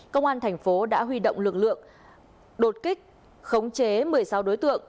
công an thành phố đã huy động lực lượng đột kích khống chế một mươi sáu đối tượng